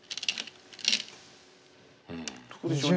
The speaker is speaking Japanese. どうでしょうね。